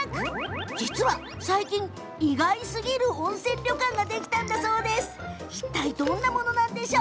実は最近、意外すぎる温泉旅館ができたそうなんです。